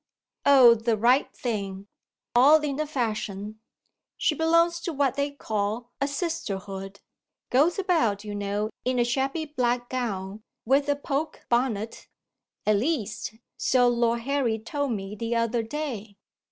"Oh, the right thing all in the fashion. She belongs to what they call a Sisterhood; goes about, you know, in a shabby black gown, with a poke bonnet. At least, so Lord Harry told me the other day."